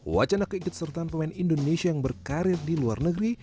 wacana keikutsertaan pemain indonesia yang berkarir di luar negeri